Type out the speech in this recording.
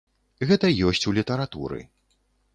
Гэта ёсць у літаратуры.